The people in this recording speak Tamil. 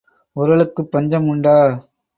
உரலுக்குப் பஞ்சம் உண்டா?